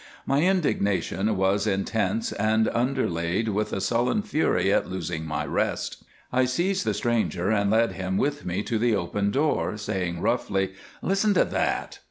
My indignation was intense and underlaid with a sullen fury at losing my rest. I seized the stranger and led him with me to the open door, saying, roughly, "Listen to that."